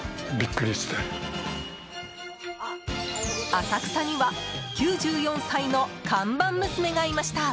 浅草には９４歳の看板娘がいました！